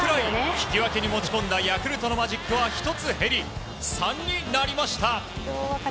引き分けに持ち込んだヤクルトのマジックは１つ減り３になりました。